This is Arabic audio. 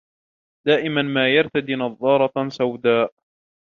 دائماً ما يرتدي نظارة سوداء.